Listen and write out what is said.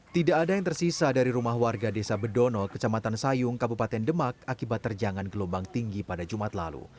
tidak ada yang tersisa dari rumah warga desa bedono kecamatan sayung kabupaten demak akibat terjangan gelombang tinggi pada jumat lalu